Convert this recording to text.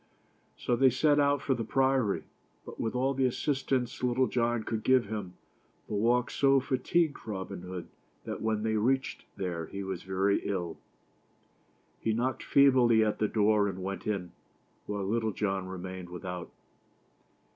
So they set out for the Priory, but with all the assistance Little John could give him, the walk so fatigued Robin Hood that when they reached there he was very ill. He knocked feebly at the door and went in, while Little John remained without.